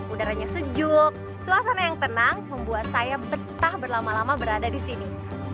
udaranya sejuk suasana yang tenang membuat saya betah berlama lama berada di sini